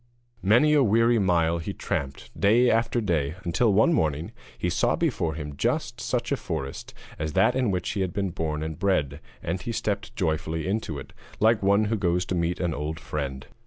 Many a weary mile he tramped day after day, until, one morning, he saw before him just such a forest as that in which he had been born and bred, and he stepped joyfully into it, like one who goes to meet an old friend.